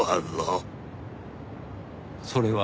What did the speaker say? それは？